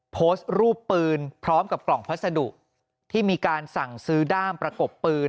โพสต์รูปปืนพร้อมกับกล่องพัสดุที่มีการสั่งซื้อด้ามประกบปืน